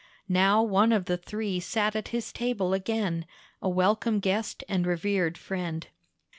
Now one of the three sat at his table again, a welcome guest and revered friend.